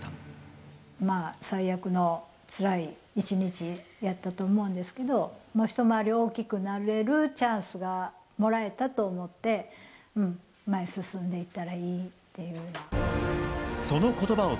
まあ、最悪のつらい一日やったと思うんですけど、もう一回り大きくなれるチャンスがもらえたと思って、前に進んでいったらいいっていうのを。